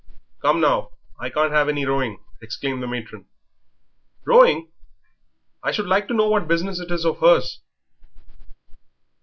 "Come, now, I can't have any rowing," exclaimed the matron. "Rowing! I should like to know what business it is of 'ers."